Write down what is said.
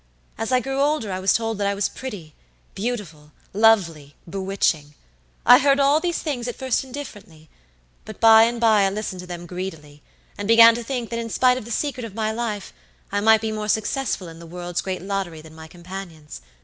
As I grew older I was told that I was prettybeautifullovelybewitching. I heard all these things at first indifferently, but by and by I listened to them greedily, and began to think that in spite of the secret of my life I might be more successful in the world's great lottery than my companions.